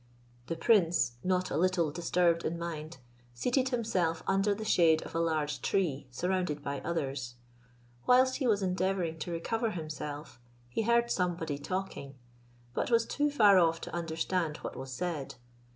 The prince, not a little disturbed in mind, seated himself under the shade of a large tree, surrounded by others. Whilst he was endeavouring to recover himself, he heard somebody talking, but was too far off to understand what was said.